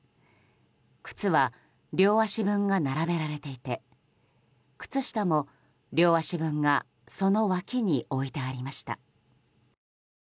靴は両足分が並べられていて靴下も両足分がその脇に置いてありました。